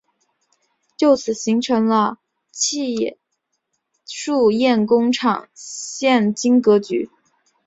就此基本形成了戚墅堰工厂现今格局。